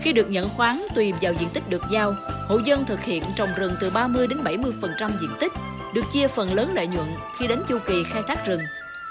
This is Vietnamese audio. khi được nhận khoáng tùy vào diện tích được giao hộ dân thực hiện trồng rừng từ ba mươi đến bảy mươi diện tích được chia phần lớn lợi nhuận khi đến chu kỳ khai thác rừng